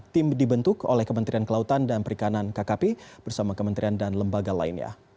tim dibentuk oleh kementerian kelautan dan perikanan kkp bersama kementerian dan lembaga lainnya